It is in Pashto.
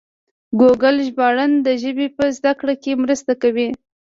ګوګل ژباړن د ژبې په زده کړه کې مرسته کوي.